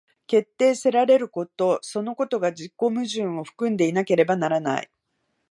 決定せられることそのことが自己矛盾を含んでいなければならない。